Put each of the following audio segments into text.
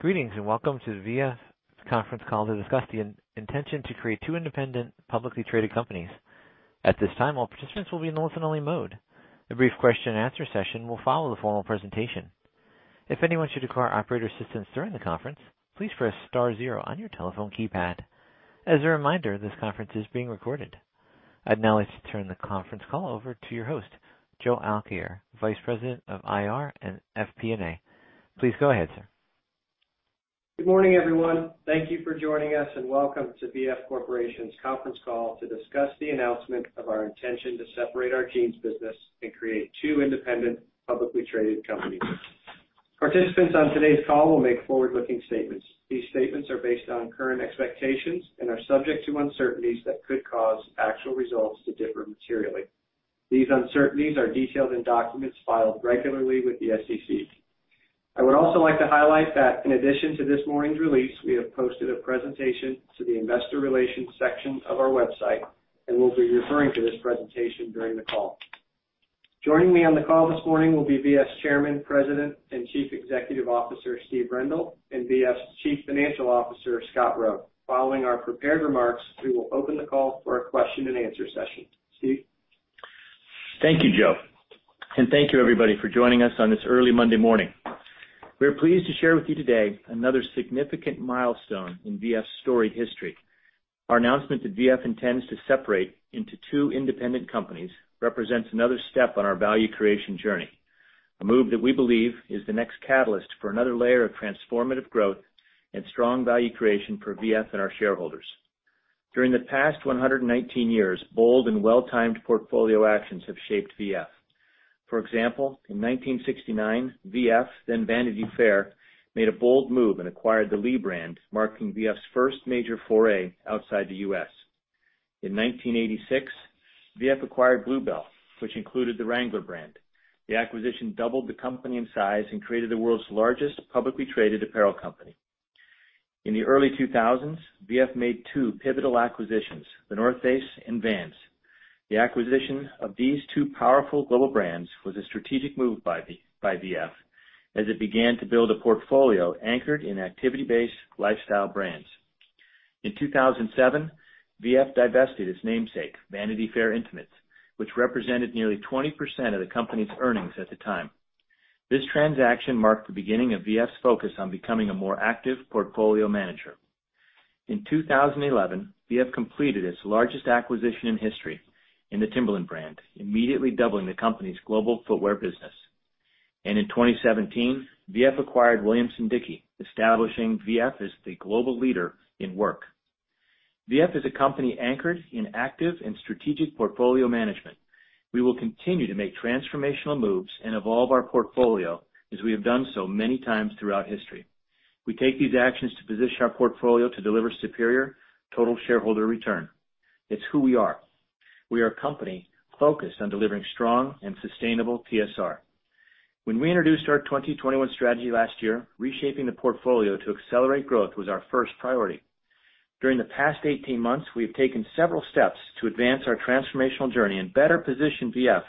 Greetings. Welcome to VF's conference call to discuss the intention to create two independent, publicly traded companies. At this time, all participants will be in listen-only mode. A brief question-and-answer session will follow the formal presentation. If anyone should require operator assistance during the conference, please press star 0 on your telephone keypad. As a reminder, this conference is being recorded. I'd now like to turn the conference call over to your host, Joe Alkire, Vice President of IR and FP&A. Please go ahead, sir. Good morning, everyone. Thank you for joining us. Welcome to VF Corporation's conference call to discuss the announcement of our intention to separate our jeans business and create two independent, publicly traded companies. Participants on today's call will make forward-looking statements. These statements are based on current expectations and are subject to uncertainties that could cause actual results to differ materially. These uncertainties are detailed in documents filed regularly with the SEC. I would also like to highlight that in addition to this morning's release, we have posted a presentation to the investor relations section of our website, and we will be referring to this presentation during the call. Joining me on the call this morning will be VF's Chairman, President, and Chief Executive Officer, Steve Rendle, and VF's Chief Financial Officer, Scott Roe. Following our prepared remarks, we will open the call for a question-and-answer session. Steve? Thank you, Joe. Thank you, everybody, for joining us on this early Monday morning. We are pleased to share with you today another significant milestone in VF's storied history. Our announcement that VF intends to separate into two independent companies represents another step on our value creation journey, a move that we believe is the next catalyst for another layer of transformative growth and strong value creation for VF and our shareholders. During the past 119 years, bold and well-timed portfolio actions have shaped VF. For example, in 1969, VF, then Vanity Fair, made a bold move and acquired the Lee brand, marking VF's first major foray outside the U.S. In 1986, VF acquired Blue Bell, which included the Wrangler brand. The acquisition doubled the company in size and created the world's largest publicly traded apparel company. In the early 2000s, VF made two pivotal acquisitions, The North Face and Vans. The acquisition of these two powerful global brands was a strategic move by VF as it began to build a portfolio anchored in activity-based lifestyle brands. In 2007, VF divested its namesake, Vanity Fair Intimates, which represented nearly 20% of the company's earnings at the time. This transaction marked the beginning of VF's focus on becoming a more active portfolio manager. In 2011, VF completed its largest acquisition in history in the Timberland brand, immediately doubling the company's global footwear business. In 2017, VF acquired Williamson-Dickie, establishing VF as the global leader in work. VF is a company anchored in active and strategic portfolio management. We will continue to make transformational moves and evolve our portfolio as we have done so many times throughout history. We take these actions to position our portfolio to deliver superior total shareholder return. It's who we are. We are a company focused on delivering strong and sustainable TSR. When we introduced our 2021 strategy last year, reshaping the portfolio to accelerate growth was our first priority. During the past 18 months, we have taken several steps to advance our transformational journey and better position VF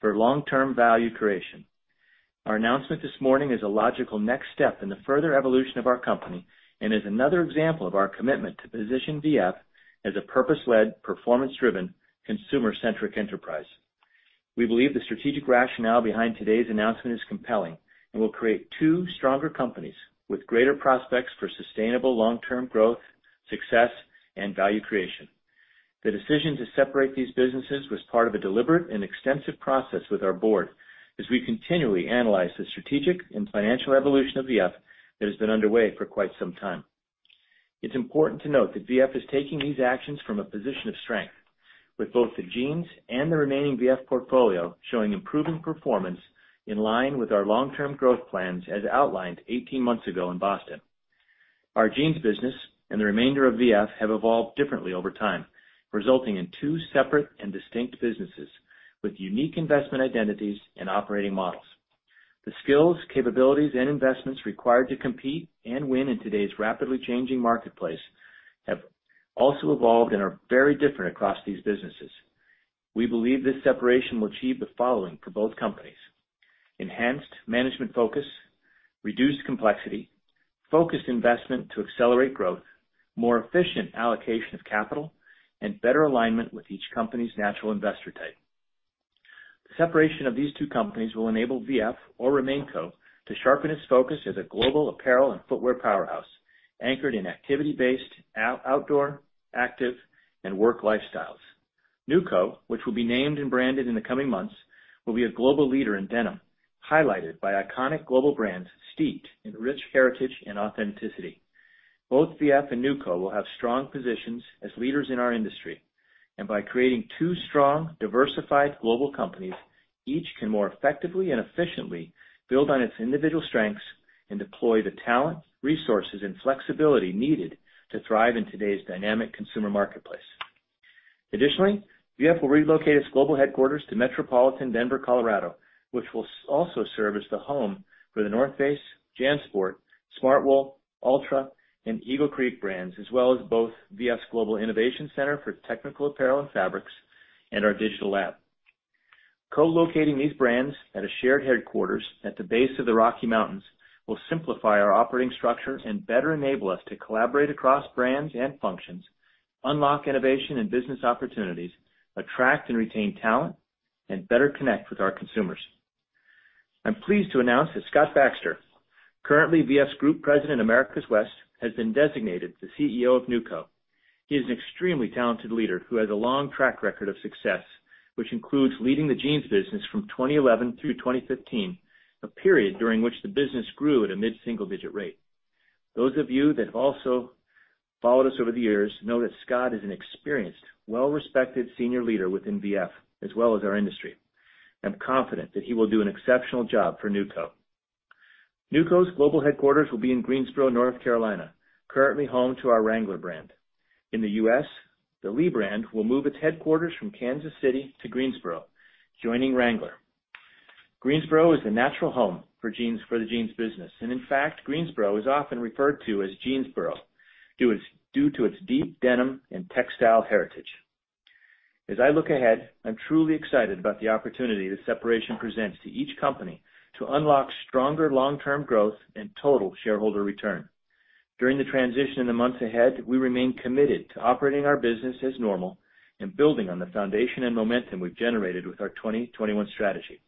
for long-term value creation. Our announcement this morning is a logical next step in the further evolution of our company and is another example of our commitment to position VF as a purpose-led, performance-driven, consumer-centric enterprise. We believe the strategic rationale behind today's announcement is compelling and will create two stronger companies with greater prospects for sustainable long-term growth, success, and value creation. The decision to separate these businesses was part of a deliberate and extensive process with our board as we continually analyze the strategic and financial evolution of VF that has been underway for quite some time. It's important to note that VF is taking these actions from a position of strength, with both the jeans and the remaining VF portfolio showing improving performance in line with our long-term growth plans as outlined 18 months ago in Boston. Our jeans business and the remainder of VF have evolved differently over time, resulting in two separate and distinct businesses with unique investment identities and operating models. The skills, capabilities, and investments required to compete and win in today's rapidly changing marketplace have also evolved and are very different across these businesses. We believe this separation will achieve the following for both companies: enhanced management focus, reduced complexity, focused investment to accelerate growth, more efficient allocation of capital, and better alignment with each company's natural investor type. The separation of these two companies will enable VF or RemainCo to sharpen its focus as a global apparel and footwear powerhouse anchored in activity-based outdoor, active, and work lifestyles. NewCo, which will be named and branded in the coming months, will be a global leader in denim, highlighted by iconic global brands steeped in rich heritage and authenticity. Both VF and NewCo will have strong positions as leaders in our industry, and by creating two strong, diversified global companies, each can more effectively and efficiently build on its individual strengths and deploy the talent, resources, and flexibility needed to thrive in today's dynamic consumer marketplace. Additionally, VF will relocate its global headquarters to metropolitan Denver, Colorado, which will also serve as the home for The North Face, JanSport, Smartwool, Altra, and Eagle Creek brands, as well as both VF's Global Innovation Center for technical apparel and fabrics and our digital lab. Co-locating these brands at a shared headquarters at the base of the Rocky Mountains will simplify our operating structure and better enable us to collaborate across brands and functions, unlock innovation and business opportunities, attract and retain talent, and better connect with our consumers. I'm pleased to announce that Scott Baxter, currently VF's Group President, Americas West, has been designated the CEO of NewCo. He is an extremely talented leader who has a long track record of success, which includes leading the jeans business from 2011 through 2015, a period during which the business grew at a mid-single-digit rate. Those of you that have also followed us over the years know that Scott is an experienced, well-respected senior leader within V.F., as well as our industry. I'm confident that he will do an exceptional job for NewCo. NewCo's global headquarters will be in Greensboro, North Carolina, currently home to our Wrangler brand. In the U.S., the Lee brand will move its headquarters from Kansas City to Greensboro, joining Wrangler. Greensboro is the natural home for the jeans business. In fact, Greensboro is often referred to as Jeansboro due to its deep denim and textile heritage. As I look ahead, I'm truly excited about the opportunity the separation presents to each company to unlock stronger long-term growth and total shareholder return. During the transition in the months ahead, we remain committed to operating our business as normal and building on the foundation and momentum we've generated with our 2021 strategy.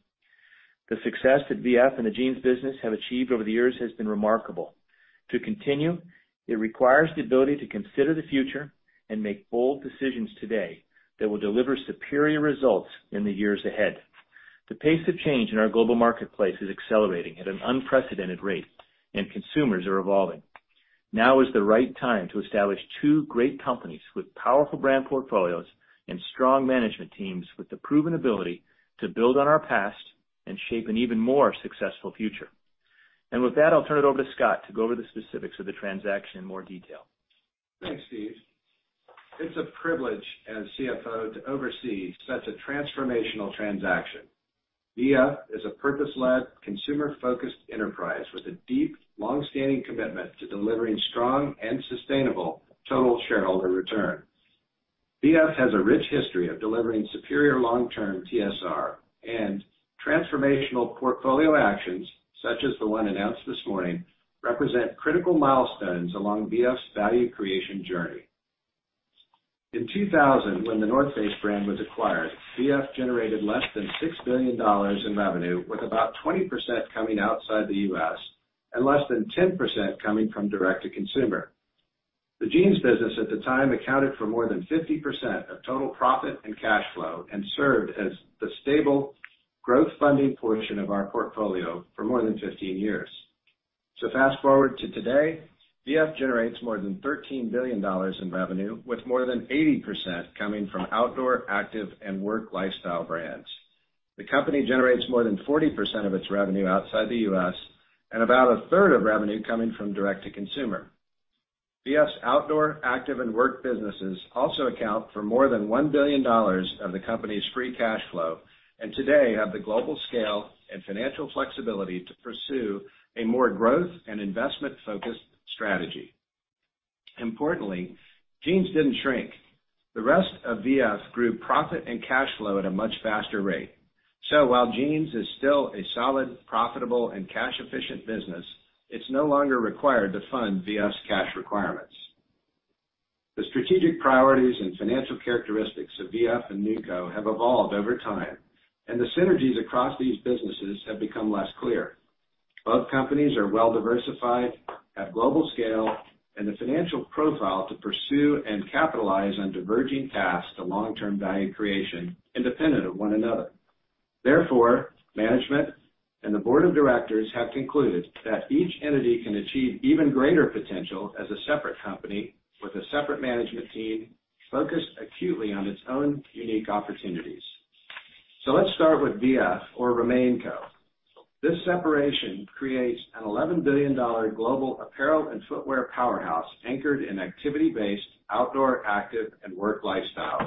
The success that V.F. and the jeans business have achieved over the years has been remarkable. To continue, it requires the ability to consider the future and make bold decisions today that will deliver superior results in the years ahead. The pace of change in our global marketplace is accelerating at an unprecedented rate, and consumers are evolving. Now is the right time to establish two great companies with powerful brand portfolios and strong management teams with the proven ability to build on our past and shape an even more successful future. With that, I'll turn it over to Scott to go over the specifics of the transaction in more detail. Thanks, Steve. It's a privilege as CFO to oversee such a transformational transaction. V.F. is a purpose-led, consumer-focused enterprise with a deep, longstanding commitment to delivering strong and sustainable total shareholder return. V.F. has a rich history of delivering superior long-term TSR and transformational portfolio actions, such as the one announced this morning, represent critical milestones along V.F.'s value creation journey. In 2000, when The North Face brand was acquired, V.F. generated less than $6 billion in revenue, with about 20% coming outside the U.S. and less than 10% coming from direct-to-consumer. The jeans business at the time accounted for more than 50% of total profit and cash flow and served as the stable growth funding portion of our portfolio for more than 15 years. Fast-forward to today, V.F. generates more than $13 billion in revenue, with more than 80% coming from outdoor, active, and work lifestyle brands. The company generates more than 40% of its revenue outside the U.S. and about a third of revenue coming from direct-to-consumer. V.F.'s outdoor, active, and work businesses also account for more than $1 billion of the company's free cash flow, and today have the global scale and financial flexibility to pursue a more growth and investment-focused strategy. Importantly, jeans didn't shrink. The rest of V.F. grew profit and cash flow at a much faster rate. While jeans is still a solid, profitable, and cash-efficient business, it's no longer required to fund V.F.'s cash requirements. The strategic priorities and financial characteristics of V.F. and NewCo have evolved over time, and the synergies across these businesses have become less clear. Both companies are well-diversified, have global scale, and the financial profile to pursue and capitalize on diverging paths to long-term value creation independent of one another. Therefore, management and the board of directors have concluded that each entity can achieve even greater potential as a separate company with a separate management team focused acutely on its own unique opportunities. Let's start with VF or RemainCo. This separation creates an $11 billion global apparel and footwear powerhouse anchored in activity-based, outdoor, active, and work lifestyles.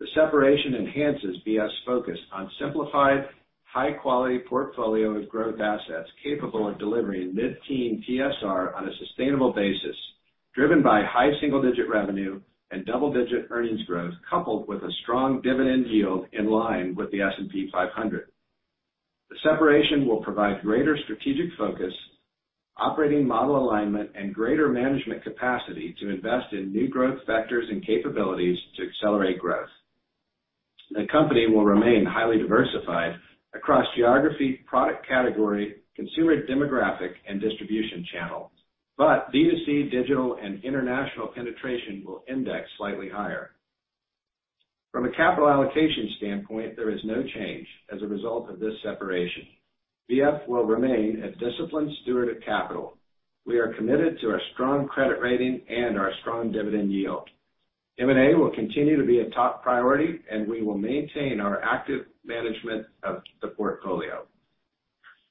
The separation enhances VF's focus on simplified, high-quality portfolio of growth assets capable of delivering mid-teen TSR on a sustainable basis, driven by high single-digit revenue and double-digit earnings growth, coupled with a strong dividend yield in line with the S&P 500. The separation will provide greater strategic focus, operating model alignment, and greater management capacity to invest in new growth vectors and capabilities to accelerate growth. The company will remain highly diversified across geography, product category, consumer demographic, and distribution channel, D2C, digital, and international penetration will index slightly higher. From a capital allocation standpoint, there is no change as a result of this separation. VF will remain a disciplined steward of capital. We are committed to our strong credit rating and our strong dividend yield. M&A will continue to be a top priority, and we will maintain our active management of the portfolio.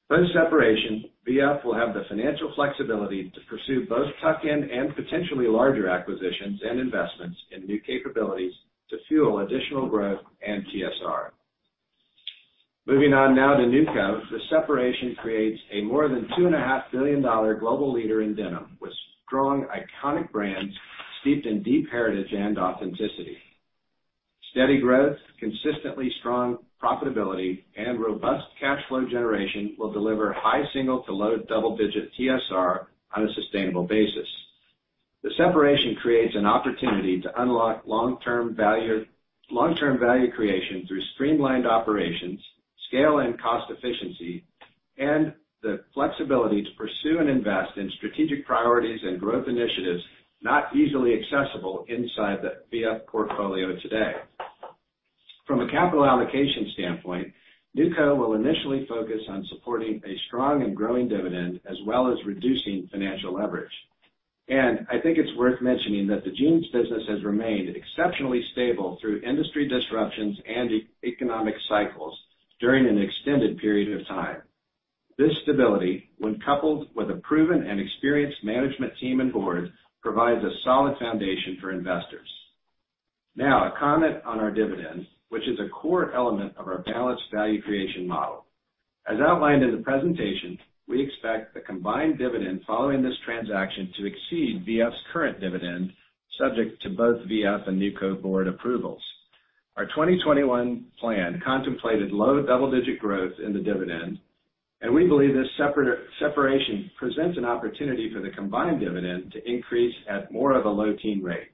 Post-separation, VF will have the financial flexibility to pursue both tuck-in and potentially larger acquisitions and investments in new capabilities to fuel additional growth and TSR. Moving on now to NewCo. The separation creates a more than $2.5 billion global leader in denim with strong, iconic brands steeped in deep heritage and authenticity. Steady growth, consistently strong profitability, and robust cash flow generation will deliver high single to low double-digit TSR on a sustainable basis. The separation creates an opportunity to unlock long-term value creation through streamlined operations, scale and cost efficiency, and the flexibility to pursue and invest in strategic priorities and growth initiatives not easily accessible inside the VF portfolio today. From a capital allocation standpoint, NewCo will initially focus on supporting a strong and growing dividend, as well as reducing financial leverage. I think it's worth mentioning that the jeans business has remained exceptionally stable through industry disruptions and economic cycles during an extended period of time. This stability, when coupled with a proven and experienced management team and board, provides a solid foundation for investors. A comment on our dividend, which is a core element of our balanced value creation model. As outlined in the presentation, we expect the combined dividend following this transaction to exceed VF's current dividend, subject to both VF and NewCo board approvals. Our 2021 plan contemplated low double-digit growth in the dividend, and we believe this separation presents an opportunity for the combined dividend to increase at more of a low teen rate.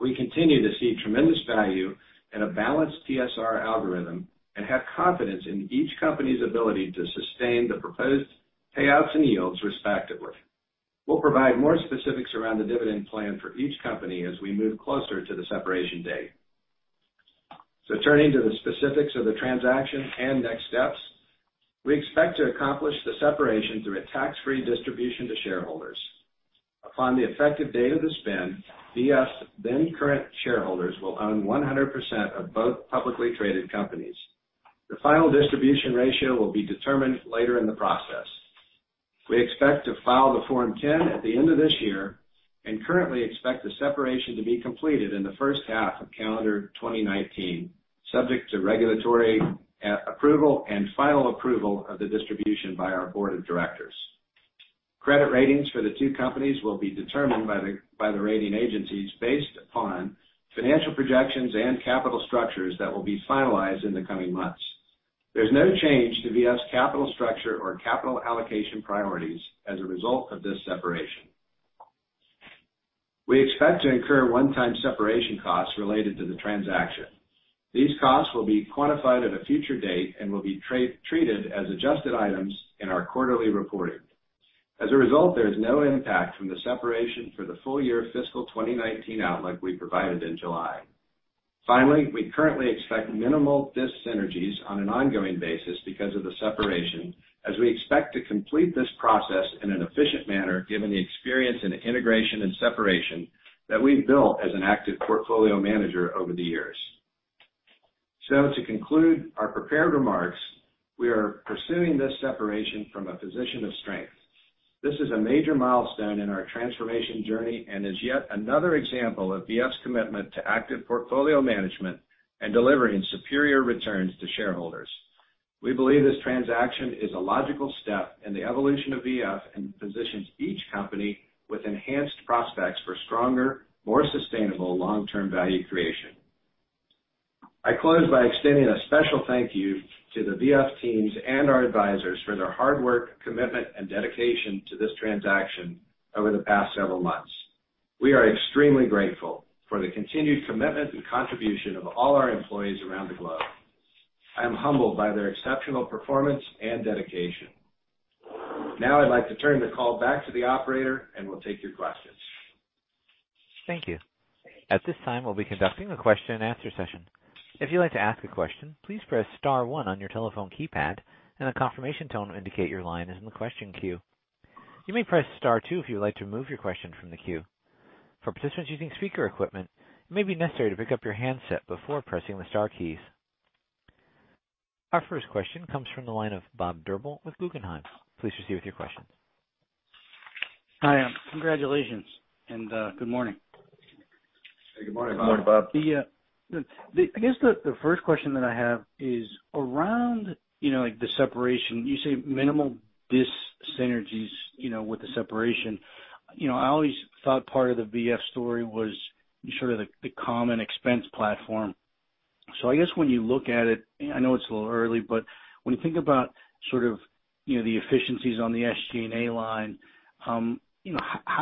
We continue to see tremendous value in a balanced TSR algorithm and have confidence in each company's ability to sustain the proposed payouts and yields respectively. We'll provide more specifics around the dividend plan for each company as we move closer to the separation date. Turning to the specifics of the transaction and next steps. We expect to accomplish the separation through a tax-free distribution to shareholders. Upon the effective date of the spin, VF's then current shareholders will own 100% of both publicly traded companies. The final distribution ratio will be determined later in the process. We expect to file the Form 10 at the end of this year and currently expect the separation to be completed in the first half of calendar 2019, subject to regulatory approval and final approval of the distribution by our board of directors. Credit ratings for the two companies will be determined by the rating agencies based upon financial projections and capital structures that will be finalized in the coming months. There's no change to VF's capital structure or capital allocation priorities as a result of this separation. We expect to incur one-time separation costs related to the transaction. These costs will be quantified at a future date and will be treated as adjusted items in our quarterly reporting. There is no impact from the separation for the full year fiscal 2019 outlook we provided in July. We currently expect minimal dis-synergies on an ongoing basis because of the separation, as we expect to complete this process in an efficient manner, given the experience in integration and separation that we've built as an active portfolio manager over the years. To conclude our prepared remarks, we are pursuing this separation from a position of strength. This is a major milestone in our transformation journey and is yet another example of VF's commitment to active portfolio management and delivering superior returns to shareholders. We believe this transaction is a logical step in the evolution of VF and positions each company with enhanced prospects for stronger, more sustainable long-term value creation. I close by extending a special thank you to the VF teams and our advisors for their hard work, commitment, and dedication to this transaction over the past several months. We are extremely grateful for the continued commitment and contribution of all our employees around the globe. I am humbled by their exceptional performance and dedication. I'd like to turn the call back to the operator and we'll take your questions. Thank you. At this time, we'll be conducting a question and answer session. If you'd like to ask a question, please press star one on your telephone keypad and a confirmation tone will indicate your line is in the question queue. You may press star two if you would like to remove your question from the queue. For participants using speaker equipment, it may be necessary to pick up your handset before pressing the star keys. Our first question comes from the line of Bob Drbul with Guggenheim. Please proceed with your question. Hi. Congratulations. Good morning. Hey, good morning, Bob. Good morning, Bob. I guess the first question that I have is around the separation. You say minimal dis-synergies with the separation. I always thought part of the VF story was sort of the common expense platform. I guess when you look at it, I know it's a little early, but when you think about the efficiencies on the SG&A line, how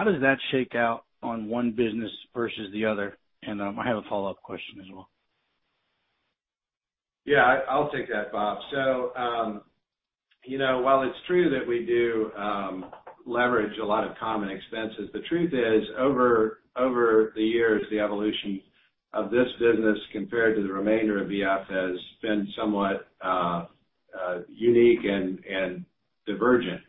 does that shake out on one business versus the other? I have a follow-up question as well. I'll take that, Bob. While it's true that we do leverage a lot of common expenses, the truth is, over the years, the evolution of this business compared to the remainder of VF has been somewhat unique and divergent.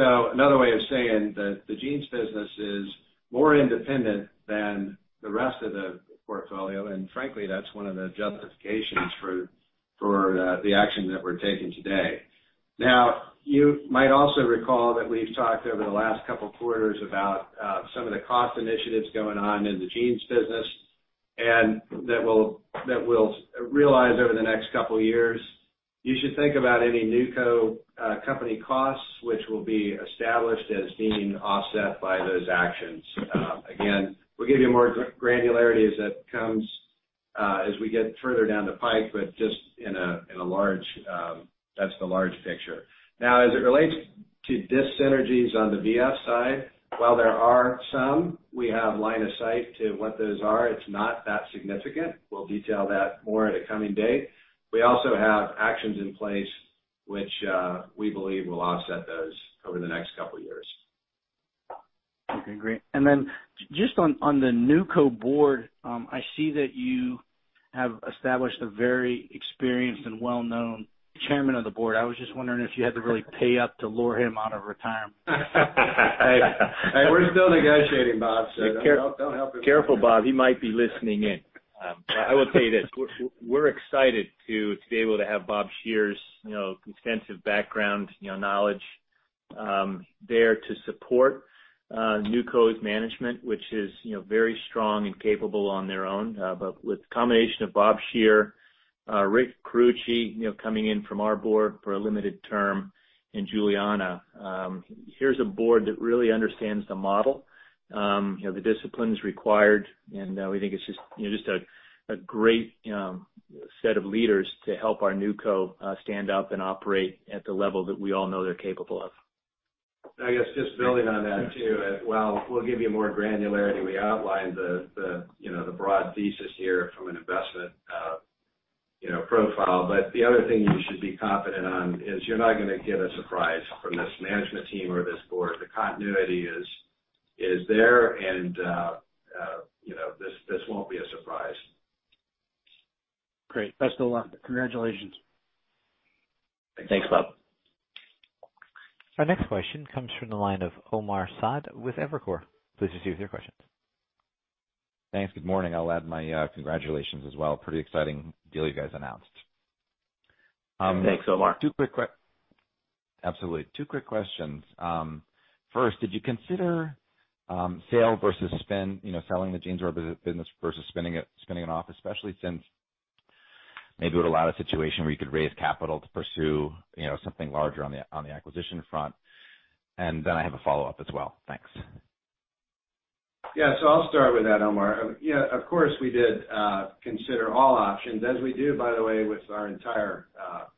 Another way of saying that the jeans business is more independent than the rest of the portfolio, and frankly, that's one of the justifications for the action that we're taking today. You might also recall that we've talked over the last couple of quarters about some of the cost initiatives going on in the jeans business. That we'll realize over the next couple of years. You should think about any NewCo company costs, which will be established as being offset by those actions. Again, we'll give you more granularity as that comes as we get further down the pipe, but just that's the large picture. As it relates to dis-synergies on the VF side, while there are some, we have line of sight to what those are. It's not that significant. We'll detail that more at a coming date. We also have actions in place which we believe will offset those over the next couple of years. Okay, great. Just on the NewCo board, I see that you have established a very experienced and well-known chairman of the board. I was just wondering if you had to really pay up to lure him out of retirement. We're still negotiating, Bob, don't help him. Careful, Bob. He might be listening in. I will tell you this. We're excited to be able to have Bob Shearer's extensive background knowledge there to support NewCo's management, which is very strong and capable on their own. With the combination of Bob Shearer, Rick Carucci coming in from our board for a limited term, and Juliana, here's a board that really understands the model, the disciplines required, and we think it's just a great set of leaders to help our NewCo stand up and operate at the level that we all know they're capable of. I guess just building on that, too. While we'll give you more granularity, we outlined the broad thesis here from an investment profile. The other thing you should be confident on is you're not going to get a surprise from this management team or this board. The continuity is there and this won't be a surprise. Great. Best of luck. Congratulations. Thanks, Bob. Our next question comes from the line of Omar Saad with Evercore. Please proceed with your questions. Thanks. Good morning. I'll add my congratulations as well. Pretty exciting deal you guys announced. Thanks, Omar. Absolutely. Two quick questions. First, did you consider sale versus spin, selling the jeans business versus spinning it off, especially since maybe it would allow a situation where you could raise capital to pursue something larger on the acquisition front. Then I have a follow-up as well. Thanks. I'll start with that, Omar. Of course, we did consider all options as we do, by the way, with our entire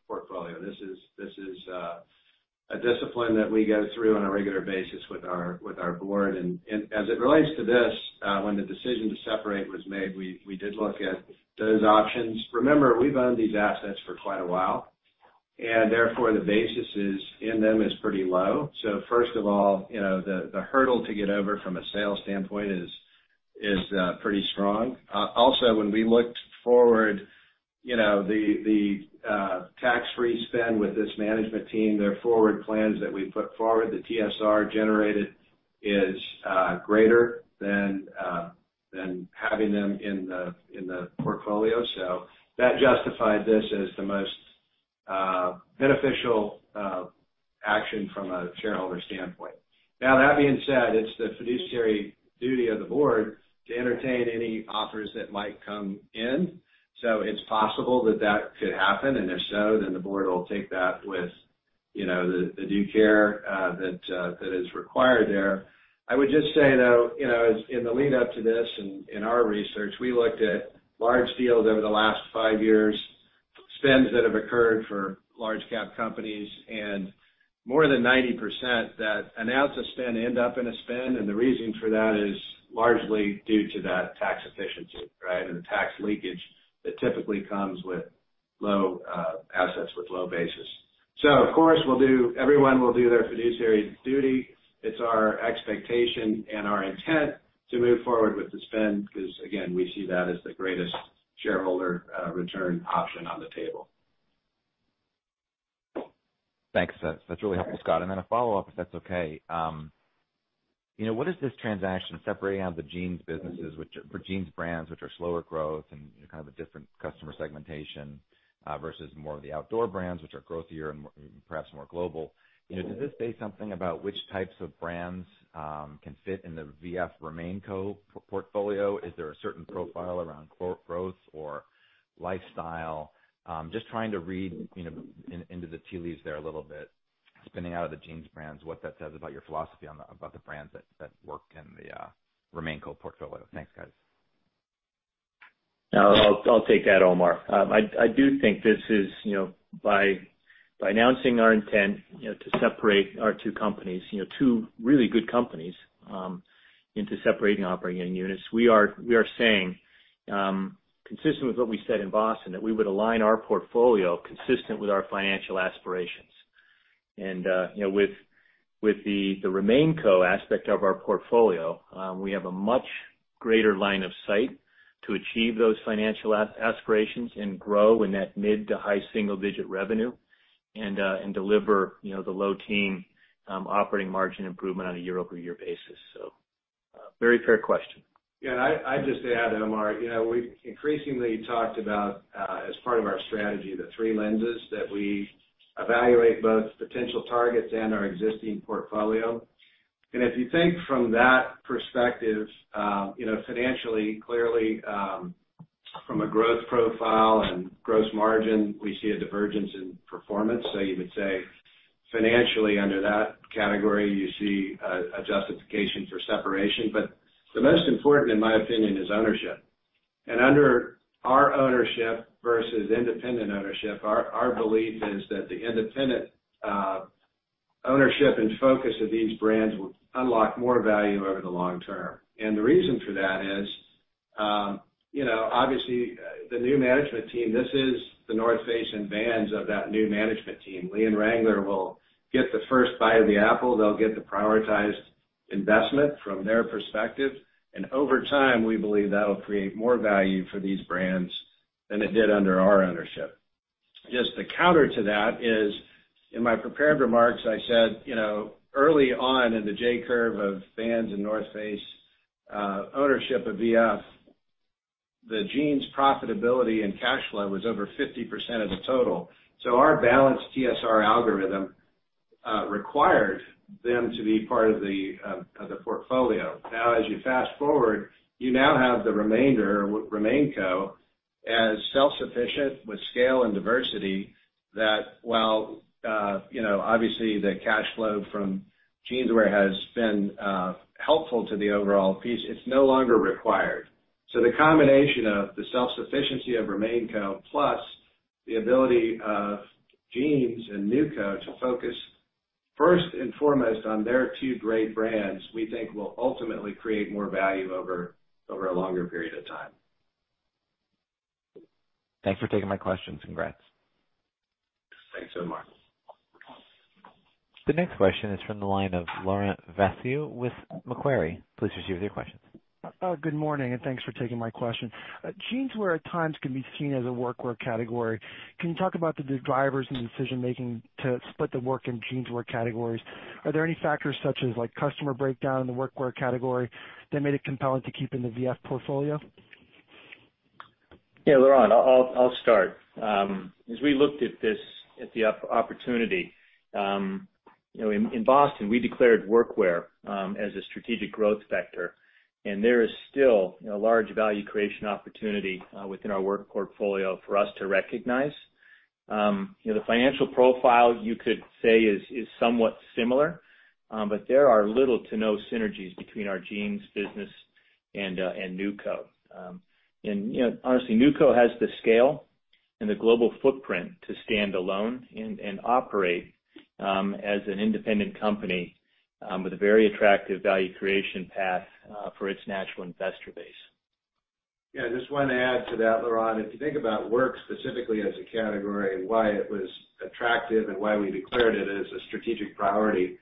portfolio. This is a discipline that we go through on a regular basis with our board. As it relates to this, when the decision to separate was made, we did look at those options. Remember, we've owned these assets for quite a while, and therefore the basis in them is pretty low. First of all, the hurdle to get over from a sales standpoint is pretty strong. Also, when we looked forward, the tax-free spin with this management team, their forward plans that we put forward, the TSR generated is greater than having them in the portfolio. That justified this as the most beneficial action from a shareholder standpoint. That being said, it's the fiduciary duty of the board to entertain any offers that might come in. It's possible that that could happen, if so, the board will take that with the due care that is required there. I would just say, though, in the lead-up to this and in our research, we looked at large deals over the last five years, spins that have occurred for large cap companies, and more than 90% that announce a spin end up in a spin. The reason for that is largely due to that tax efficiency, right? The tax leakage that typically comes with low assets with low basis. Of course, everyone will do their fiduciary duty. It's our expectation and our intent to move forward with the spin because, again, we see that as the greatest shareholder return option on the table. Thanks. That's really helpful, Scott. A follow-up, if that's okay. What is this transaction separating out the jeans businesses, for jeans brands which are slower growth and kind of a different customer segmentation versus more of the outdoor brands, which are growthier and perhaps more global. Does this say something about which types of brands can fit in the VF RemainCo portfolio? Is there a certain profile around growth or lifestyle? Just trying to read into the tea leaves there a little bit, spinning out of the jeans brands, what that says about your philosophy about the brands that work in the RemainCo portfolio. Thanks, guys. I'll take that, Omar. I do think by announcing our intent to separate our two companies, two really good companies into separating operating units. We are saying, consistent with what we said in Boston, that we would align our portfolio consistent with our financial aspirations. With the RemainCo aspect of our portfolio, we have a much greater line of sight to achieve those financial aspirations and grow in that mid to high single-digit revenue and deliver the low teen operating margin improvement on a year-over-year basis. Very fair question. Yeah, I'd just add, Omar, we've increasingly talked about as part of our strategy, the three lenses that we evaluate both potential targets and our existing portfolio. If you think from that perspective, financially, clearly from a growth profile and gross margin, we see a divergence in performance. You would say financially under that category, you see a justification for separation. The most important, in my opinion, is ownership. Under our ownership versus independent ownership, our belief is that the independent ownership and focus of these brands will unlock more value over the long term. The reason for that is, obviously, the new management team. This is The North Face and Vans of that new management team. Lee and Wrangler will get the first bite of the apple. They'll get the prioritized investment from their perspective. Over time, we believe that'll create more value for these brands than it did under our ownership. Just the counter to that is, in my prepared remarks, I said early on in the J curve of Vans and The North Face ownership of VF, the jeans profitability and cash flow was over 50% of the total. Our balanced TSR algorithm required them to be part of the portfolio. Now, as you fast-forward, you now have the remainder, RemainCo, as self-sufficient with scale and diversity that while obviously the cash flow from Jeanswear has been helpful to the overall piece, it's no longer required. The combination of the self-sufficiency of RemainCo, plus the ability of jeans and NewCo to focus first and foremost on their two great brands, we think will ultimately create more value over a longer period of time. Thanks for taking my question. Congrats. Thanks so much. The next question is from the line of Laurent Vasilescu with Macquarie. Please proceed with your question. Good morning, thanks for taking my question. Jeanswear at times can be seen as a workwear category. Can you talk about the drivers and decision-making to split the work and jeanswear categories? Are there any factors such as customer breakdown in the workwear category that made it compelling to keep in the VF portfolio? Laurent, I'll start. As we looked at the opportunity, in Boston, we declared workwear as a strategic growth sector, there is still a large value creation opportunity within our work portfolio for us to recognize. The financial profile, you could say, is somewhat similar, there are little to no synergies between our jeans business and NewCo. Honestly, NewCo has the scale and the global footprint to stand alone and operate as an independent company with a very attractive value creation path for its natural investor base. I just want to add to that, Laurent. If you think about work specifically as a category and why it was attractive and why we declared it as a strategic priority,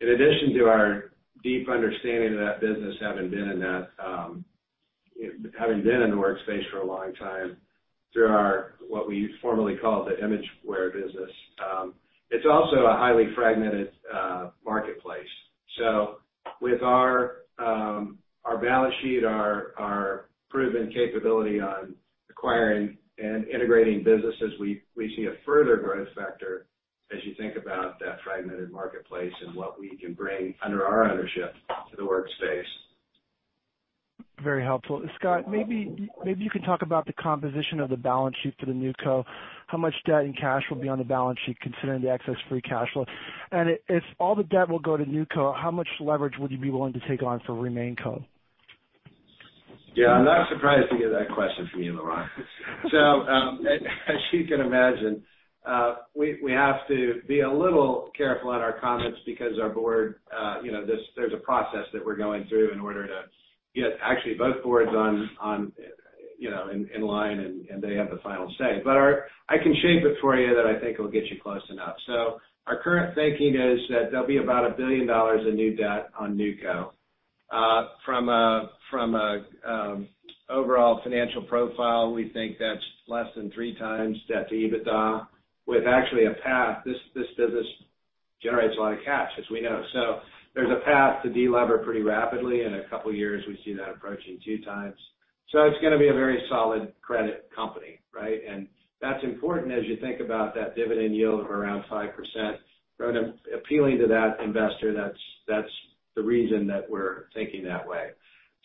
in addition to our deep understanding of that business, having been in the workspace for a long time, through our, what we formally call the Imagewear business. It's also a highly fragmented marketplace. With our balance sheet, our proven capability on acquiring and integrating businesses, we see a further growth factor as you think about that fragmented marketplace and what we can bring under our ownership to the workspace. Very helpful. Scott, maybe you can talk about the composition of the balance sheet for NewCo. How much debt and cash will be on the balance sheet considering the excess free cash flow? If all the debt will go to NewCo, how much leverage would you be willing to take on for RemainCo? Yeah, I'm not surprised to get that question from you, Laurent. As you can imagine, we have to be a little careful on our comments because our board, there's a process that we're going through in order to get actually both boards in line, and they have the final say. I can shape it for you that I think it will get you close enough. Our current thinking is that there'll be about $1 billion of new debt on NewCo. From an overall financial profile, we think that's less than 3 times debt to EBITDA with actually a path. This business generates a lot of cash, as we know. There's a path to de-lever pretty rapidly. In a couple of years, we see that approaching 2 times. It's going to be a very solid credit company, right? That's important as you think about that dividend yield of around 5%. Appealing to that investor, that's the reason that we're thinking that way.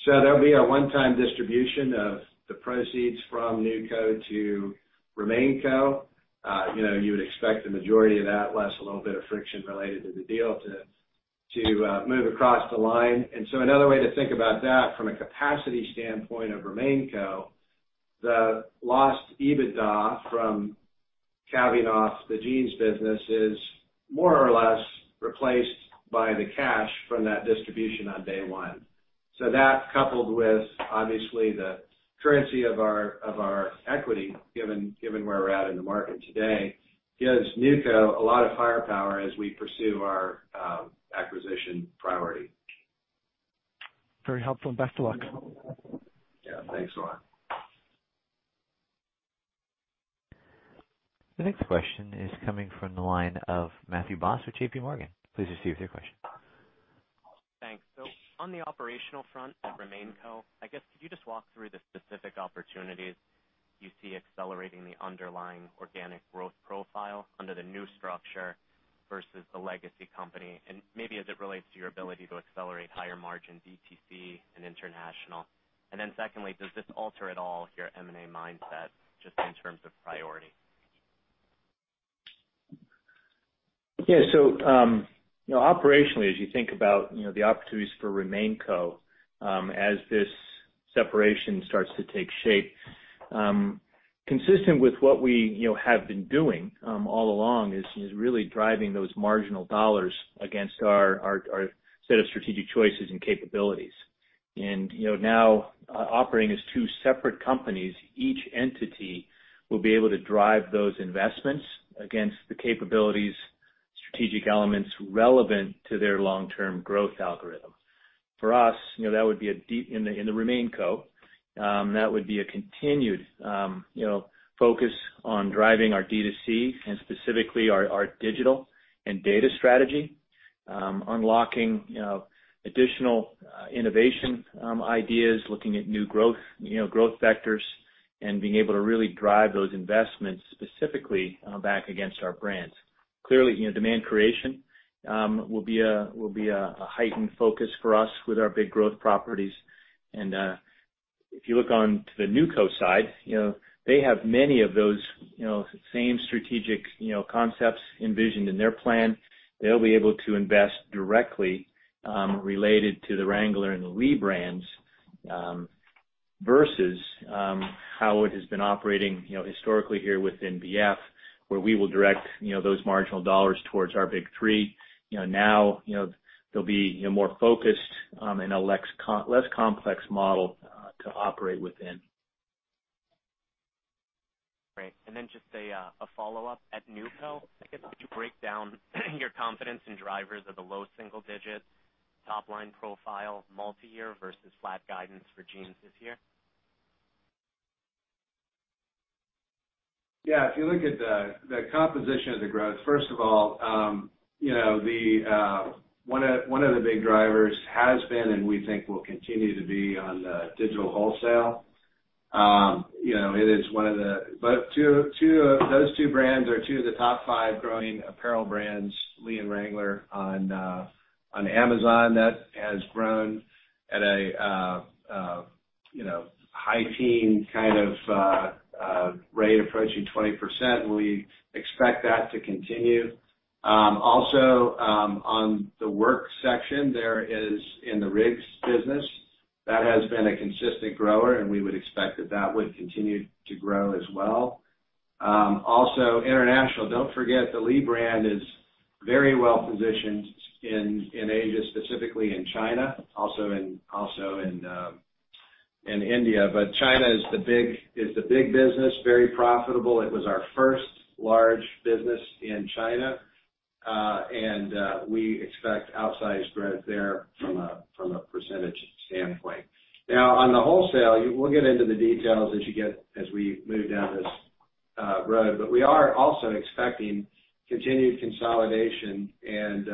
There'll be a one-time distribution of the proceeds from NewCo to RemainCo. You would expect the majority of that, less a little bit of friction related to the deal, to move across the line. Another way to think about that from a capacity standpoint of RemainCo, the lost EBITDA from calving off the jeans business is more or less replaced by the cash from that distribution on day 1. That coupled with, obviously, the currency of our equity, given where we're at in the market today, gives NewCo a lot of firepower as we pursue our acquisition priority. Very helpful, best of luck. Yeah. Thanks, Laurent. The next question is coming from the line of Matthew Boss with JPMorgan. Please proceed with your question. Thanks. On the operational front at RemainCo, I guess, could you just walk through the specific opportunities you see accelerating the underlying organic growth profile under the new structure versus the legacy company? Maybe as it relates to your ability to accelerate higher margin DTC and international. Secondly, does this alter at all your M&A mindset just in terms of priority? Yeah. Operationally, as you think about the opportunities for RemainCo as this separation starts to take shape. Consistent with what we have been doing all along is really driving those marginal dollars against our set of strategic choices and capabilities. Now operating as two separate companies, each entity will be able to drive those investments against the capabilities, strategic elements relevant to their long-term growth algorithm. For us, in the RemainCo, that would be a continued focus on driving our D2C and specifically our digital and data strategy. Unlocking additional innovation ideas, looking at new growth vectors, and being able to really drive those investments specifically back against our brands. Clearly, demand creation will be a heightened focus for us with our big growth properties. If you look on to the NewCo side, they have many of those same strategic concepts envisioned in their plan. They'll be able to invest directly related to the Wrangler and the Lee brands versus how it has been operating historically here within VF, where we will direct those marginal dollars towards our big three. Now, they'll be more focused in a less complex model to operate within. Great. Then just a follow-up. At NewCo, I guess, could you break down your confidence in drivers of the low single-digit top-line profile multi-year versus flat guidance for jeans this year? Yeah. If you look at the composition of the growth, first of all, one of the big drivers has been, and we think will continue to be, on the digital wholesale. Those two brands are two of the top five growing apparel brands, Lee and Wrangler, on Amazon. That has grown at a high teen kind of rate approaching 20%, and we expect that to continue. Also, on the work section, there is in the RIGGS business. That has been a consistent grower, and we would expect that that would continue to grow as well. Also, international. Don't forget, the Lee brand is very well positioned in Asia, specifically in China, also in India. China is the big business, very profitable. It was our first large business in China. We expect outsized growth there from a percentage standpoint. Now, on the wholesale, we'll get into the details as we move down this road. We are also expecting continued consolidation and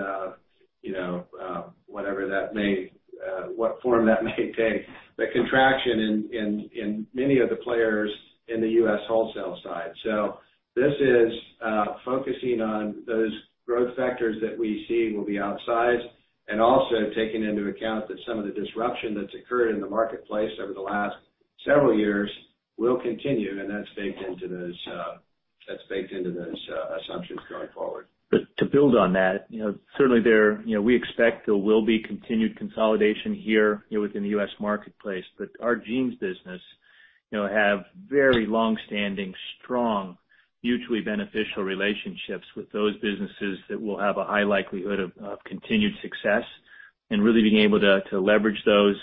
what form that may take. The contraction in many of the players in the U.S. wholesale side. This is focusing on those growth vectors that we see will be outsized and also taking into account that some of the disruption that's occurred in the marketplace over the last several years will continue, and that's baked into those assumptions going forward. To build on that, certainly we expect there will be continued consolidation here within the U.S. marketplace. Our Jeans business have very longstanding, strong, mutually beneficial relationships with those businesses that will have a high likelihood of continued success. Really being able to leverage those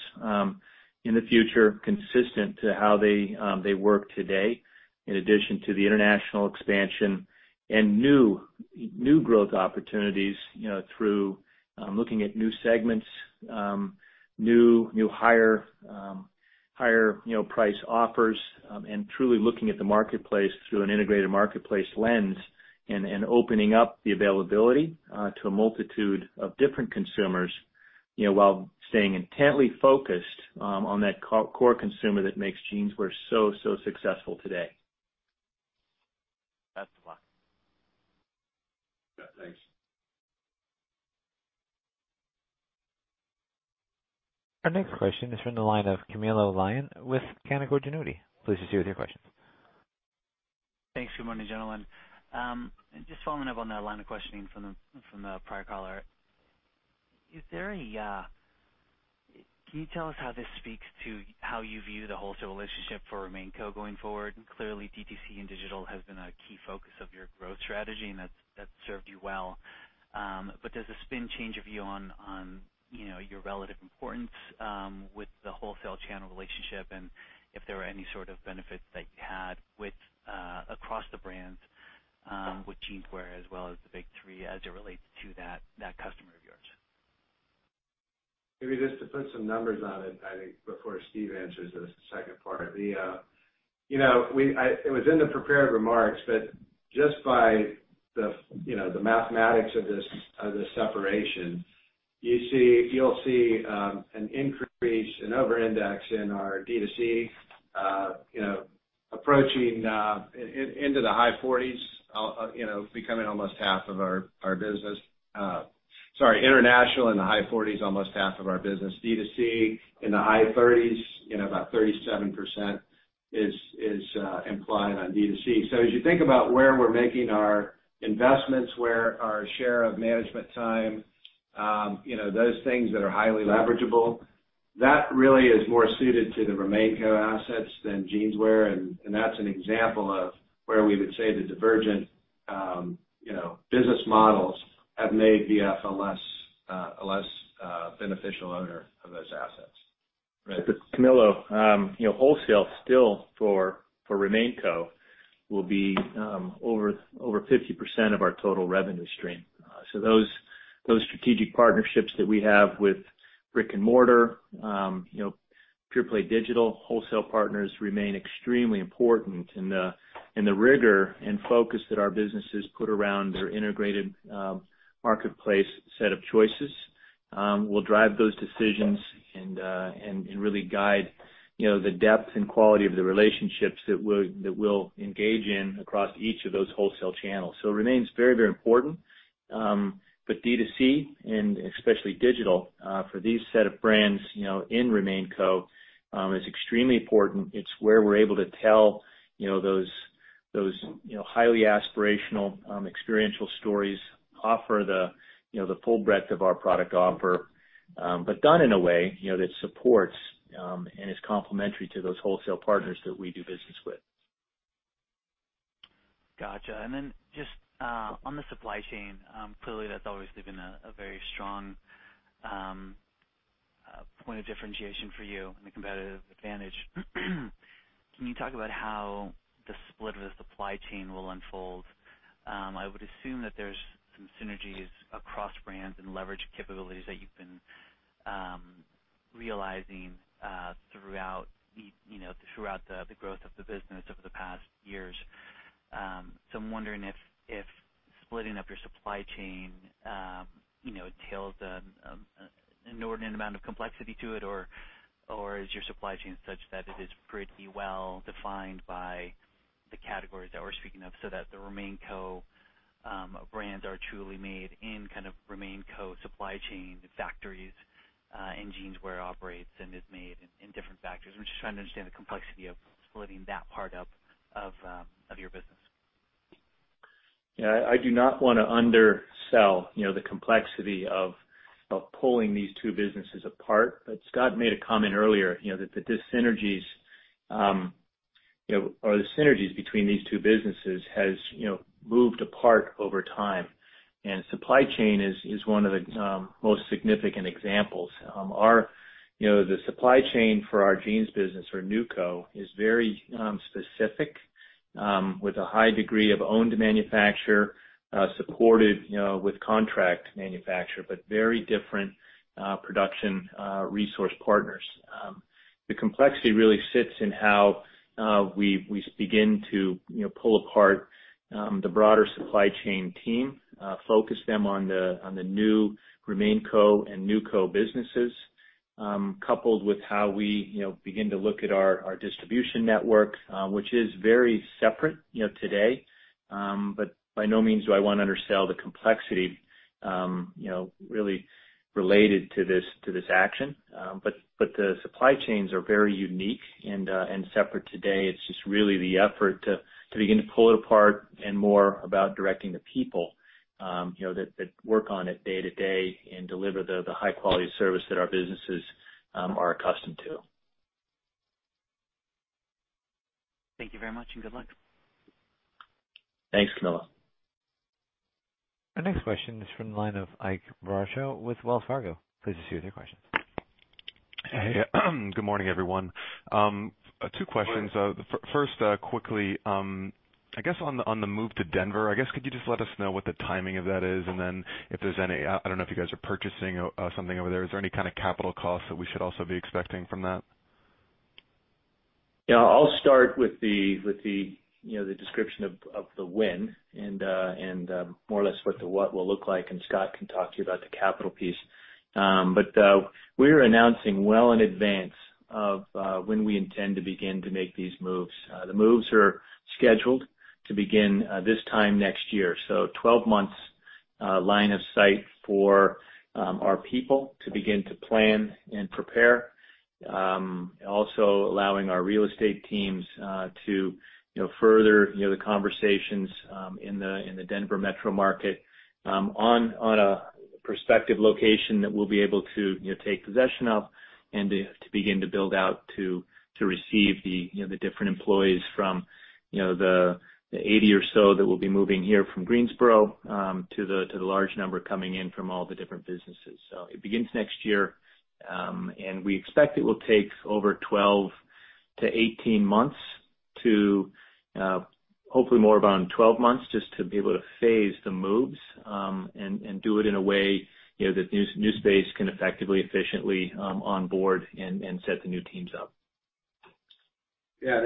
in the future consistent to how they work today, in addition to the international expansion and new growth opportunities through looking at new segments, new higher price offers, and truly looking at the marketplace through an integrated marketplace lens. Opening up the availability to a multitude of different consumers, while staying intently focused on that core consumer that makes Jeanswear so successful today. That's the one. Yeah, thanks. Our next question is from the line of Camilo Lyon with Canaccord Genuity. Please proceed with your questions. Thanks. Good morning, gentlemen. Just following up on that line of questioning from the prior caller. Can you tell us how this speaks to how you view the wholesale relationship for RemainCo going forward? Clearly, DTC and digital have been a key focus of your growth strategy, and that's served you well. Does the spin change your view on your relative importance with the wholesale channel relationship and if there are any sort of benefits that you had across the brands with Jeanswear as well as the big three as it relates to that customer of yours? Maybe just to put some numbers on it, I think before Steve answers this second part. It was in the prepared remarks, just by the mathematics of this separation, you'll see an increase and over-index in our D2C approaching into the high 40s, becoming almost half of our business. Sorry, international in the high 40s, almost half of our business. D2C in the high 30s, about 37% is implying on D2C. As you think about where we're making our investments, where our share of management time, those things that are highly leverageable, that really is more suited to the RemainCo assets than Jeanswear, and that's an example of where we would say the divergent business models have made VF a less beneficial owner of those assets. Right. Camilo, wholesale still for RemainCo will be over 50% of our total revenue stream. Those strategic partnerships that we have with brick and mortar, pure play digital wholesale partners remain extremely important. The rigor and focus that our businesses put around their integrated marketplace set of choices will drive those decisions and really guide the depth and quality of the relationships that we'll engage in across each of those wholesale channels. It remains very, very important. D2C, and especially digital, for these set of brands in RemainCo, is extremely important. It's where we're able to tell those highly aspirational, experiential stories, offer the full breadth of our product offer. Done in a way that supports and is complementary to those wholesale partners that we do business with. Got you. Then just on the supply chain, clearly that's always been a very strong point of differentiation for you and a competitive advantage. Can you talk about how the split of the supply chain will unfold? I would assume that there's some synergies across brands and leverage capabilities that you've been realizing throughout the growth of the business over the past years. I'm wondering if splitting up your supply chain entails an inordinate amount of complexity to it, or is your supply chain such that it is pretty well defined by the categories that we're speaking of, so that the RemainCo brands are truly made in RemainCo supply chain factories, and Jeanswear operates and is made in different factories? I'm just trying to understand the complexity of splitting that part up of your business. Yeah. I do not want to undersell the complexity of pulling these two businesses apart. Scott made a comment earlier, that the synergies between these two businesses has moved apart over time, supply chain is one of the most significant examples. The supply chain for our jeans business for NewCo is very specific with a high degree of owned manufacture, supported with contract manufacture, but very different production resource partners. The complexity really sits in how we begin to pull apart the broader supply chain team, focus them on the new RemainCo and NewCo businesses, coupled with how we begin to look at our distribution network, which is very separate today. By no means do I want to undersell the complexity really related to this action. The supply chains are very unique and separate today. It's just really the effort to begin to pull it apart and more about directing the people that work on it day to day and deliver the high quality of service that our businesses are accustomed to. Thank you very much, good luck. Thanks, Camilo. Our next question is from the line of Ike Boruchow with Wells Fargo. Please proceed with your questions. Good morning, everyone. Two questions. Good morning. First, quickly, I guess on the move to Denver. I guess could you just let us know what the timing of that is, and then if there's any I don't know if you guys are purchasing something over there. Is there any kind of capital cost that we should also be expecting from that? I'll start with the description of the when and more or less what the what will look like, and Scott can talk to you about the capital piece. We're announcing well in advance of when we intend to begin to make these moves. The moves are scheduled to begin this time next year. 12 months line of sight for our people to begin to plan and prepare. Also allowing our real estate teams to further the conversations in the Denver metro market on a prospective location that we'll be able to take possession of and to begin to build out to receive the different employees from the 80 or so that will be moving here from Greensboro to the large number coming in from all the different businesses. It begins next year. We expect it will take over 12-18 months to Hopefully more around 12 months, just to be able to phase the moves, and do it in a way that New Space can effectively, efficiently onboard and set the new teams up. Yeah.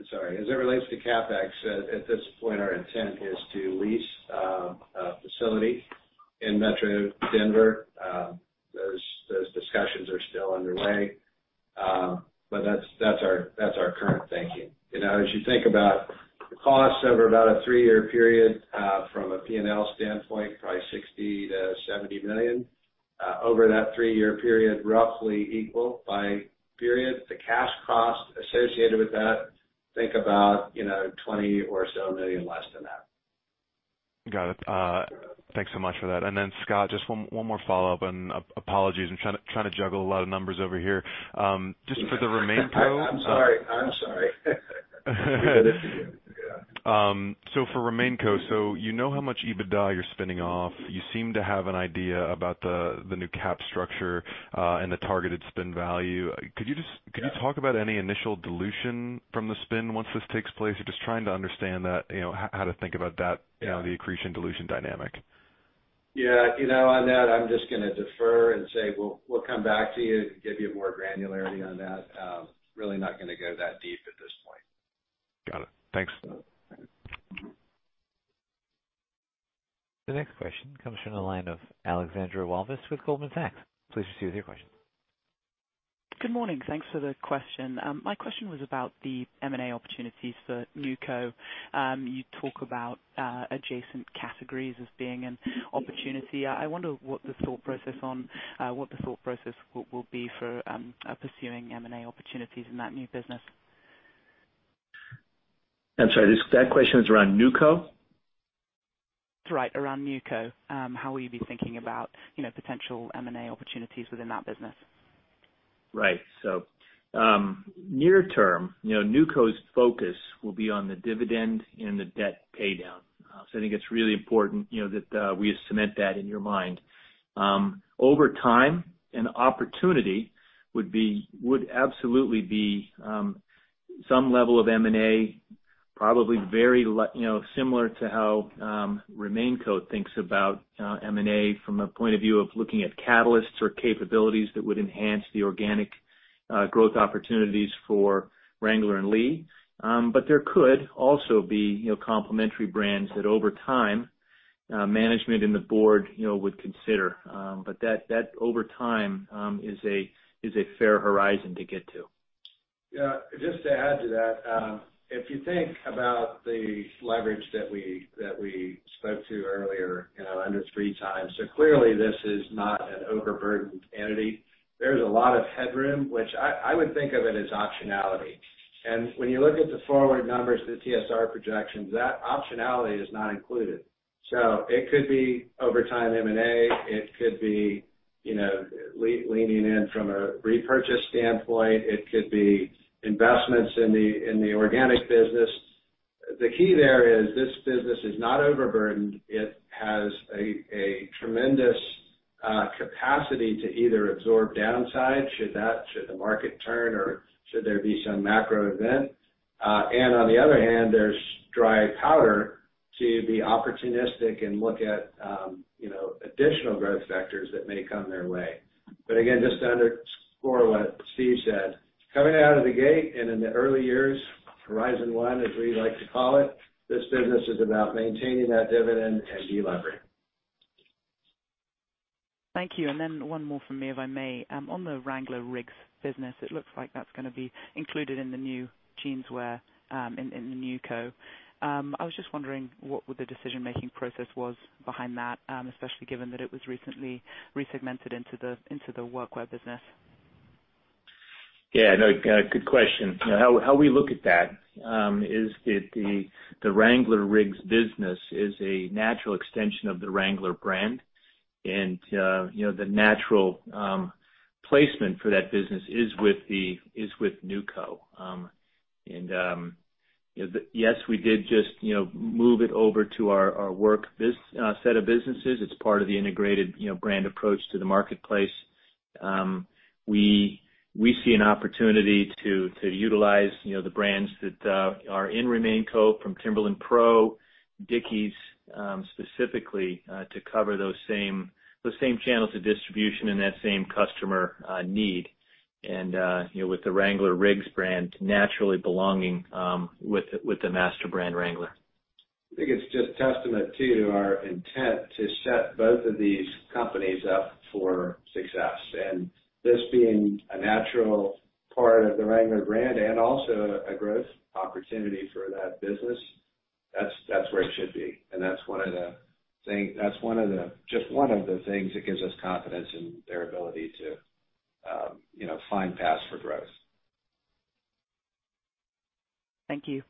As it relates to CapEx, at this point, our intent is to lease a facility in Metro Denver. Those discussions are still underway. That's our current thinking. As you think about the costs over about a three-year period, from a P&L standpoint, probably $60 million-$70 million. Over that three-year period, roughly equal by period. The cash cost associated with that, think about $20 million or so less than that. Got it. Thanks so much for that. Scott, just one more follow-up, and apologies. I'm trying to juggle a lot of numbers over here. Just for the RemainCo- I'm sorry. We get it. Yeah. For RemainCo, you know how much EBITDA you're spinning off. You seem to have an idea about the new cap structure, and the targeted spin value. Could you talk about any initial dilution from the spin once this takes place? I'm just trying to understand how to think about that, the accretion dilution dynamic. Yeah. On that, I'm just going to defer and say we'll come back to you to give you more granularity on that. Really not going to go that deep at this point. Got it. Thanks. The next question comes from the line of Alexandra Walvis with Goldman Sachs. Please proceed with your question. Good morning. Thanks for the question. My question was about the M&A opportunities for NewCo. You talk about adjacent categories as being an opportunity. I wonder what the thought process will be for pursuing M&A opportunities in that new business. I'm sorry. That question is around NewCo? That's right, around NewCo. How will you be thinking about potential M&A opportunities within that business? Right. Near term, NewCo's focus will be on the dividend and the debt pay down. I think it's really important that we cement that in your mind. Over time, an opportunity would absolutely be some level of M&A, probably very similar to how RemainCo thinks about M&A from a point of view of looking at catalysts or capabilities that would enhance the organic growth opportunities for Wrangler and Lee. There could also be complementary brands that over time, management and the board would consider. That over time is a fair horizon to get to. Yeah. Just to add to that, if you think about the leverage that we spoke to earlier under 3 times. Clearly this is not an overburdened entity. There's a lot of headroom, which I would think of it as optionality. When you look at the forward numbers for the TSR projections, that optionality is not included. It could be over time M&A, it could be leaning in from a repurchase standpoint. It could be investments in the organic business. The key there is this business is not overburdened. It has a tremendous capacity to either absorb downside should the market turn or should there be some macro event. On the other hand, there's dry powder to be opportunistic and look at additional growth vectors that may come their way. Again, just to underscore what Steve said, coming out of the gate and in the early years, horizon one, as we like to call it, this business is about maintaining that dividend and delevering. Thank you. Then one more from me, if I may. On the Wrangler RIGGS business, it looks like that's going to be included in the new Jeanswear, in the NewCo. I was just wondering what the decision-making process was behind that, especially given that it was recently resegmented into the workwear business. Yeah. No. Good question. How we look at that is that the Wrangler RIGGS business is a natural extension of the Wrangler brand. The natural placement for that business is with NewCo. Yes, we did just move it over to our work set of businesses. It's part of the integrated brand approach to the marketplace. We see an opportunity to utilize the brands that are in RemainCo from Timberland PRO, Dickies, specifically to cover those same channels of distribution and that same customer need. With the Wrangler RIGGS brand naturally belonging with the master brand Wrangler. I think it's just testament to our intent to set both of these companies up for success, and this being a natural part of the Wrangler brand and also a growth opportunity for that business. That's where it should be, and that's just one of the things that gives us confidence in their ability to find paths for growth. Thank you.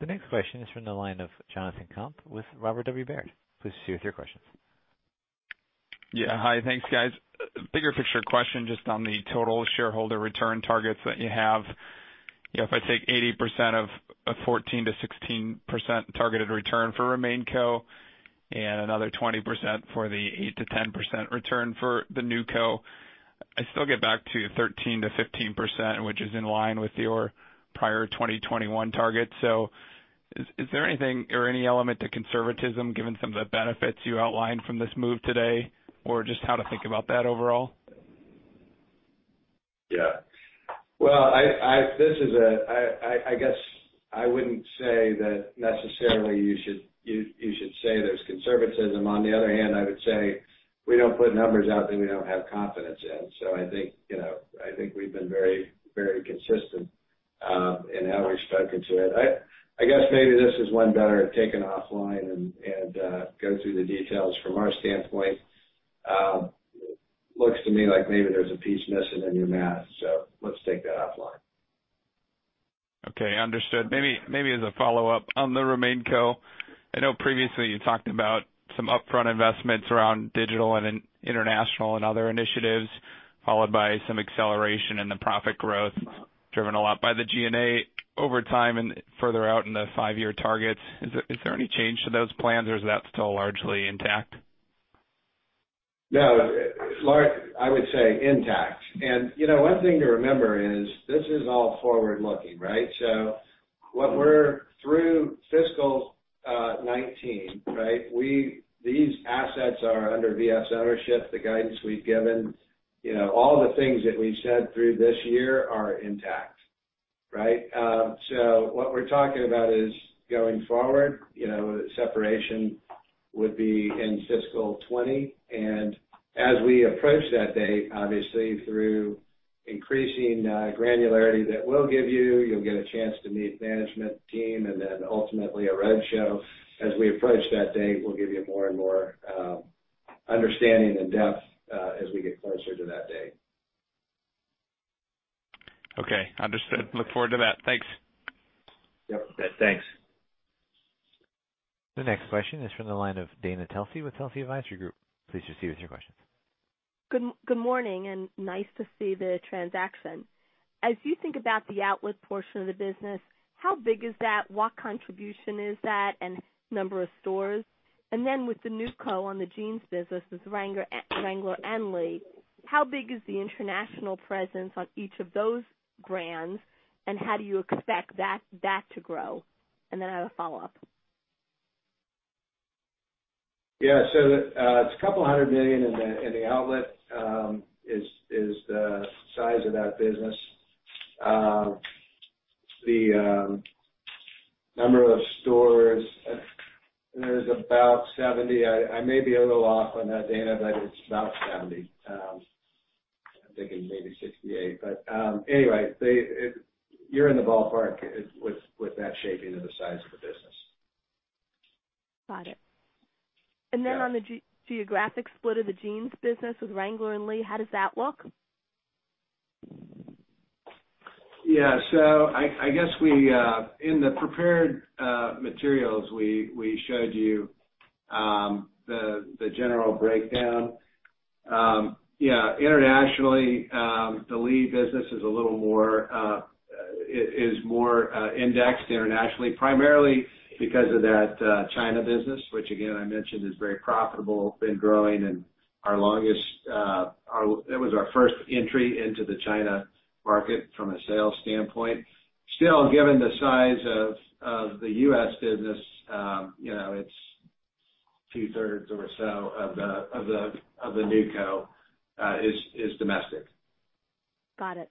The next question is from the line of Jonathan Komp with Robert W. Baird. Please proceed with your questions. Yeah. Hi. Thanks, guys. Bigger picture question, just on the total shareholder return targets that you have. If I take 80% of a 14%-16% targeted return for RemainCo and another 20% for the 8%-10% return for the NewCo. I still get back to 13%-15%, which is in line with your prior 2021 target. Is there anything or any element to conservatism, given some of the benefits you outlined from this move today? Or just how to think about that overall? Yeah. I guess I wouldn't say that necessarily you should say there's conservatism. On the other hand, I would say we don't put numbers out that we don't have confidence in. I think we've been very consistent in how we've spoken to it. I guess maybe this is one better taken offline and go through the details. From our standpoint, looks to me like maybe there's a piece missing in your math. Let's take that offline. Okay, understood. Maybe as a follow-up on the RemainCo, I know previously you talked about some upfront investments around digital and international and other initiatives, followed by some acceleration in the profit growth, driven a lot by the G&A over time and further out in the five-year targets. Is there any change to those plans, or is that still largely intact? No. I would say intact. One thing to remember is this is all forward-looking, right? Through fiscal 2019, these assets are under V.F.'s ownership, the guidance we've given. All the things that we've said through this year are intact. Right? What we're talking about is going forward. Separation would be in fiscal 2020. As we approach that date, obviously, through increasing granularity that we'll give you'll get a chance to meet management team and then ultimately a roadshow. As we approach that date, we'll give you more and more understanding and depth, as we get closer to that date. Okay, understood. Look forward to that. Thanks. Yep. Thanks. The next question is from the line of Dana Telsey with Telsey Advisory Group. Please proceed with your questions. Good morning, and nice to see the transaction. As you think about the outlet portion of the business, how big is that? What contribution is that? Number of stores. Then with the NewCo on the jeans business, with Wrangler and Lee, how big is the international presence on each of those brands, and how do you expect that to grow? Then I have a follow-up. Yeah. It's a couple of hundred million in the outlet, is the size of that business. The number of stores, there's about 70. I may be a little off on that, Dana Telsey, it's about 70. I'm thinking maybe 68. Anyway, you're in the ballpark with that shaping of the size of the business. Got it. Yeah. On the geographic split of the jeans business with Wrangler and Lee, how does that look? Yeah. I guess in the prepared materials, we showed you the general breakdown. Internationally, the Lee business is more indexed internationally, primarily because of that China business, which again, I mentioned is very profitable, been growing, and it was our first entry into the China market from a sales standpoint. Still, given the size of the U.S. business, two-thirds or so of the NewCo is domestic. Got it.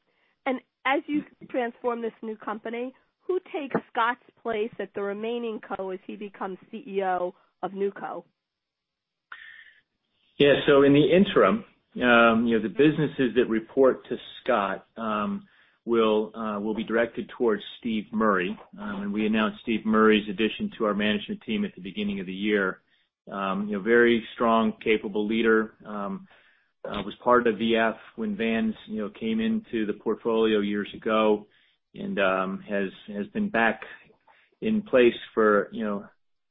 As you transform this new company, who takes Scott's place at the Remaining Co as he becomes CEO of NewCo? Yeah. In the interim, the businesses that report to Scott will be directed towards Steve Murray. When we announced Steve Murray's addition to our management team at the beginning of the year. A very strong, capable leader. Was part of VF when Vans came into the portfolio years ago, and has been back in place for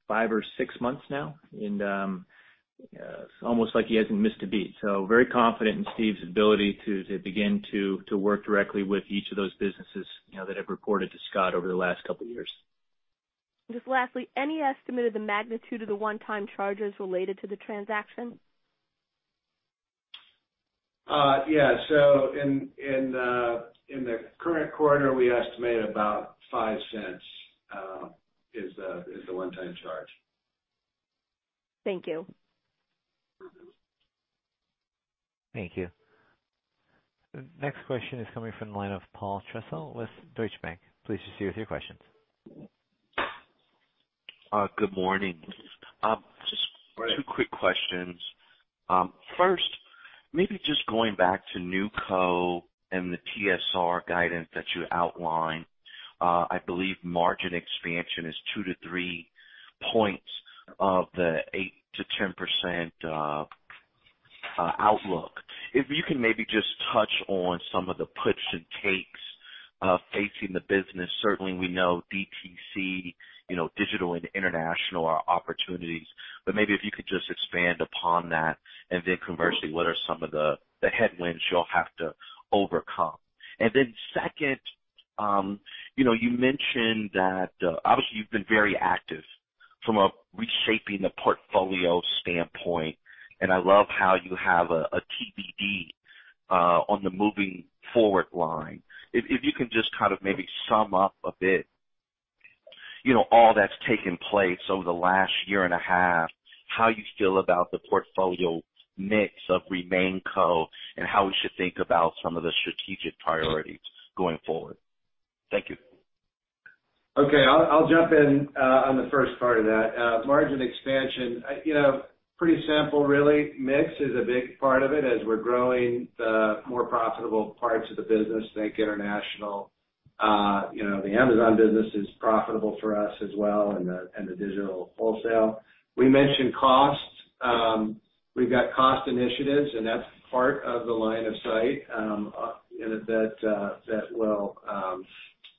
five or six months now. It's almost like he hasn't missed a beat. Very confident in Steve's ability to begin to work directly with each of those businesses that have reported to Scott over the last couple of years. Just lastly, any estimate of the magnitude of the one-time charges related to the transaction? Yeah. In the current quarter, we estimate about $0.05 is the one-time charge. Thank you. Thank you. The next question is coming from the line of Paul Trussell with Deutsche Bank. Please proceed with your questions. Good morning. Great. Just two quick questions. First, maybe just going back to NewCo and the TSR guidance that you outlined. I believe margin expansion is 2-3 points of the 8%-10% outlook. If you can maybe just touch on some of the puts and takes facing the business. Certainly, we know DTC, digital and international are opportunities, but maybe if you could just expand upon that. Conversely, what are some of the headwinds you'll have to overcome? Second, you mentioned that obviously you've been very active from a reshaping the portfolio standpoint, and I love how you have a TBD on the moving forward line. If you can just maybe sum up a bit all that's taken place over the last year and a half, how you feel about the portfolio mix of RemainCo, and how we should think about some of the strategic priorities going forward. Thank you. Okay. I'll jump in on the first part of that. Margin expansion, pretty simple really. Mix is a big part of it as we're growing the more profitable parts of the business, think international. The Amazon business is profitable for us as well, and the digital wholesale. We mentioned costs. We've got cost initiatives, and that's part of the line of sight that will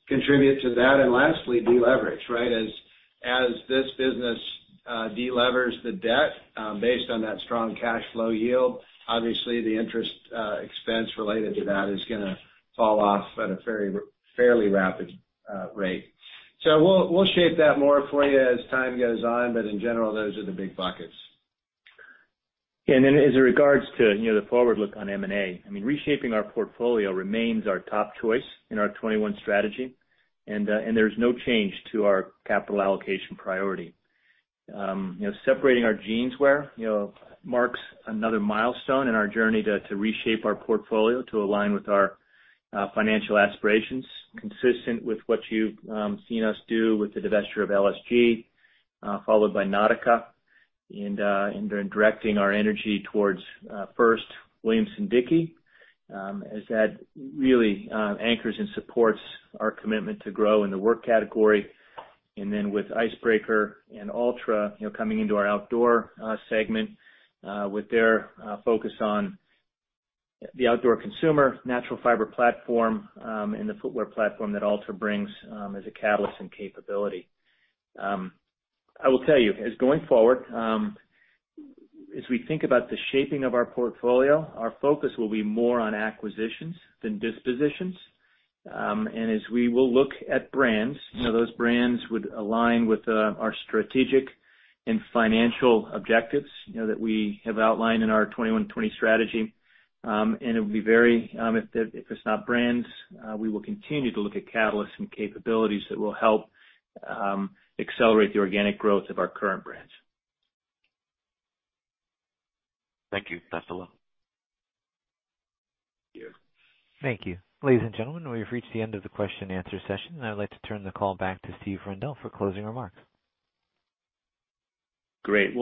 contribute to that. Lastly, deleverage. As this business delevers the debt, based on that strong cash flow yield, obviously the interest expense related to that is going to fall off at a fairly rapid rate. We'll shape that more for you as time goes on. In general, those are the big buckets. As it regards to the forward look on M&A, reshaping our portfolio remains our top choice in our 2021 strategy, and there's no change to our capital allocation priority. Separating our jeans wear marks another milestone in our journey to reshape our portfolio to align with our financial aspirations, consistent with what you've seen us do with the divesture of LSG, followed by Nautica, directing our energy towards, first, Williamson-Dickie, as that really anchors and supports our commitment to grow in the work category. With Icebreaker and Altra coming into our outdoor segment, with their focus on the outdoor consumer, natural fiber platform, and the footwear platform that Altra brings as a catalyst and capability. I will tell you, as going forward, as we think about the shaping of our portfolio, our focus will be more on acquisitions than dispositions. As we will look at brands, those brands would align with our strategic and financial objectives that we have outlined in our 2021 strategy. If it's not brands, we will continue to look at catalysts and capabilities that will help accelerate the organic growth of our current brands. Thank you. That's all. Thank you. Thank you. Ladies and gentlemen, we have reached the end of the question and answer session. I would like to turn the call back to Steve Rendle for closing remarks. Great.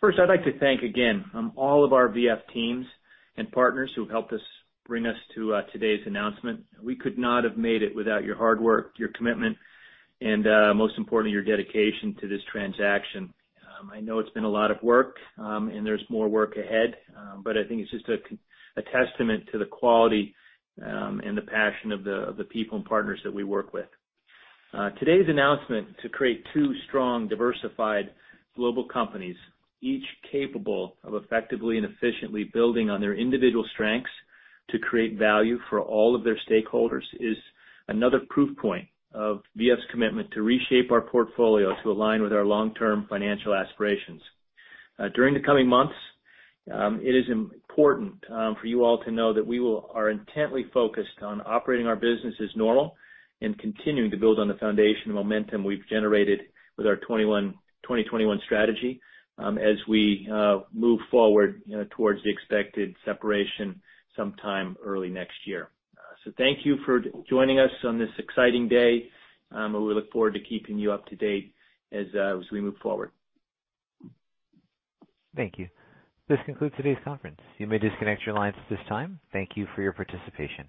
First I'd like to thank again all of our V.F. teams and partners who helped us bring us to today's announcement. We could not have made it without your hard work, your commitment, and, most importantly, your dedication to this transaction. I know it's been a lot of work, and there's more work ahead, but I think it's just a testament to the quality and the passion of the people and partners that we work with. Today's announcement to create two strong, diversified global companies, each capable of effectively and efficiently building on their individual strengths to create value for all of their stakeholders, is another proof point of V.F.'s commitment to reshape our portfolio to align with our long-term financial aspirations. During the coming months, it is important for you all to know that we are intently focused on operating our business as normal and continuing to build on the foundation and momentum we've generated with our 2021 strategy as we move forward towards the expected separation sometime early next year. Thank you for joining us on this exciting day. We look forward to keeping you up to date as we move forward. Thank you. This concludes today's conference. You may disconnect your lines at this time. Thank you for your participation.